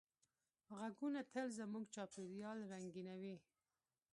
غږونه تل زموږ چاپېریال رنګینوي.